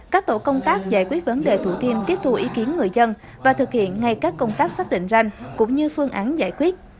các tổ công tác giải quyết vấn đề thủ thiêm tiếp thu ý kiến người dân và thực hiện ngay các công tác xác định ranh cũng như phương án giải quyết